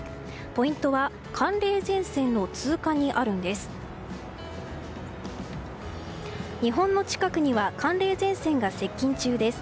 ポイントは寒冷前線の通過にあるんです。